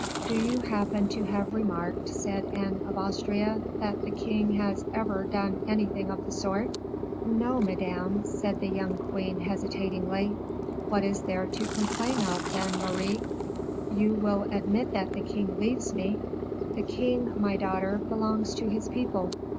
"Do you happen to have remarked," said Anne of Austria, "that the king has ever done anything of the sort?" "No, madame," said the young queen, hesitatingly. "What is there to complain of, then, Marie?" "You will admit that the king leaves me?" "The king, my daughter, belongs to his people."